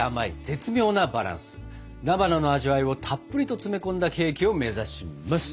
菜花の味わいをたっぷりと詰め込んだケーキを目指します。